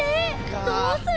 どうする？